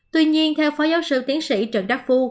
tuy nhiên theo phó giáo sư tiến sĩ trần đắc phu